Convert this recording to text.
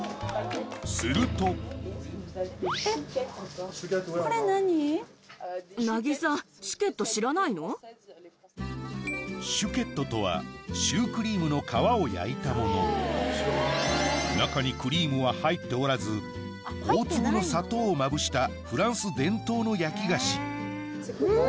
するとえっこれ何？とはシュークリームの皮を焼いたもの中にクリームは入っておらず大粒の砂糖をまぶしたん！